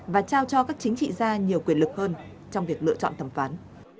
và trao cho các chính trị gia nhiều quyền lực hơn trong việc lựa chọn thẩm phán